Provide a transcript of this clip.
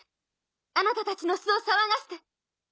あなたたちの巣を騒がして。